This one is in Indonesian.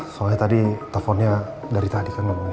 soalnya tadi teleponnya dari tadi kan ngomongnya